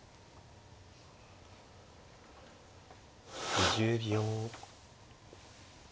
２０秒。